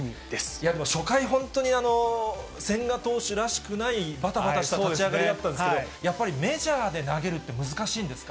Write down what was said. いやでも、初回、本当に千賀投手らしくない、ばたばたした立ち上がりだったんですけれども、やっぱりメジャーで投げるって、難しいんですか。